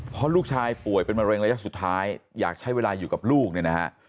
เพราะลูกชายป่วยเป็นมะเร็งระยะสุดท้ายอยากใช้เวลาอยู่กับลูกเนี่ยนะฮะ